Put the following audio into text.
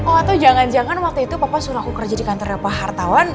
oh atau jangan jangan waktu itu papa suruh aku kerja di kantornya pak hartawan